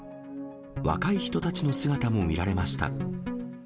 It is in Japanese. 若い人たちの姿も見られました。